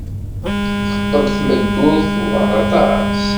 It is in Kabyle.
Teqqel tmeddurt tewɛeṛ aṭas.